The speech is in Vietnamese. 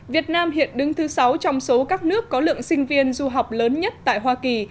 việt nam hiện đứng thứ sáu trong số các nước có lượng sinh viên du học lớn nhất tại hoa kỳ